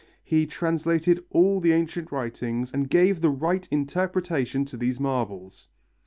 He translated all the ancient writings and gave the right interpretation to these marbles."